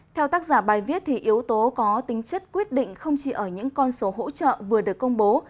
theo tác giả bài viết yếu tố có tính chất quyết định không chỉ ở những con số hỗ trợ vừa được công bố